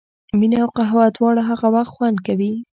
مینه او قهوه دواړه هغه وخت خوند کوي.